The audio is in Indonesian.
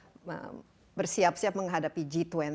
kita bersiap siap menghadapi g dua puluh